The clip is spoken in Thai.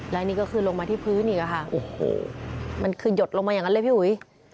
และนี่ก็คือลงมาที่พื้นอีกอะค่ะโอ้โหมันคือหยดลงมาอย่างนั้นเลยพี่อุ๋ย